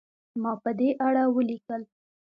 ما په دې اړه ولیکل.